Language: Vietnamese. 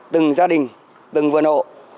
từng gia đình từng vườn hộ